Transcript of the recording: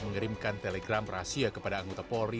mengirimkan telegram rahasia kepada anggota polri